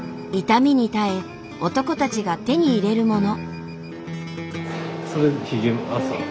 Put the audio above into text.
痛みに耐え男たちが手に入れるもの。